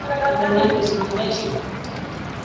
Ijumaa ni siku ya msikiti